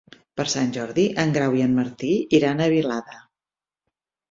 Per Sant Jordi en Grau i en Martí iran a Vilada.